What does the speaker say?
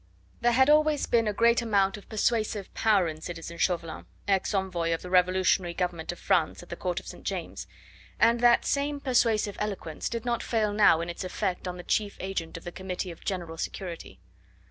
There had always been a great amount of persuasive power in citizen Chauvelin, ex envoy of the revolutionary Government of France at the Court of St. James, and that same persuasive eloquence did not fail now in its effect on the chief agent of the Committee of General Security.